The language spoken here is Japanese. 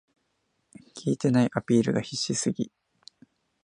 効いてないアピールが必死すぎ